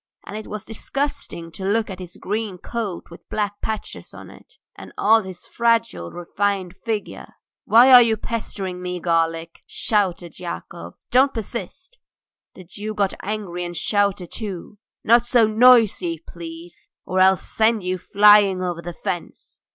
And it was disgusting to look at his green coat with black patches on it, and all his fragile, refined figure. "Why are you pestering me, garlic?" shouted Yakov. "Don't persist!" The Jew got angry and shouted too: "Not so noisy, please, or I'll send you flying over the fence!"